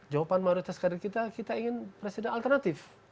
jawaban mayoritas kader kita kita ingin presiden alternatif